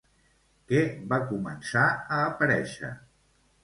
Què va començar a aparèixer?